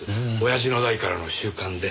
親父の代からの習慣で。